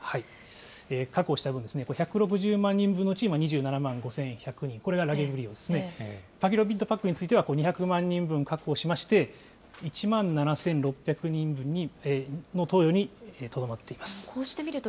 確保した分ですね、１６０万人分のうち、２７万５１００人、パキロビッドパックについては、２００万人分確保しまして、１万７６００人分の投与にとどまっています。